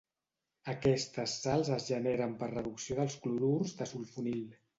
Aquestes sals es generen per reducció dels clorurs de sulfonil.